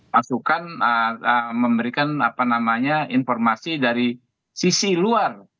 masukan memberikan informasi dari sisi luar